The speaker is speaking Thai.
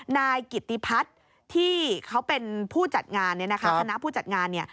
นายกิตติพัฒน์ที่เขาเป็นผู้จัดงานคณะผู้จัดงาน